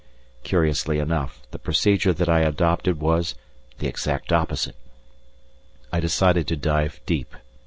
Curiously enough, the procedure that I adopted was the exact opposite. I decided to dive deep.